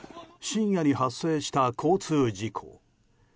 深夜に発生した交通事故。